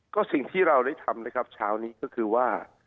ก็สิ่งที่เราได้ทำนะครับเช้านี้ก็คือว่า